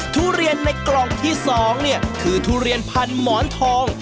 ทุเรียนในกล่องที่๒เนี่ยคือทุเรียนพันหมอนทอง